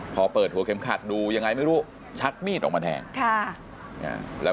พอเปิดหัวเข็มขัดดูยังไงไม่รู้ชักมีดออกมาแทงแล้ว